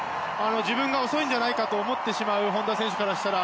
自分が遅いんじゃないかと思ってしまう本多選手からしたら。